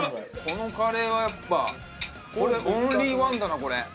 このカレーはやっぱオンリーワンだなこれ。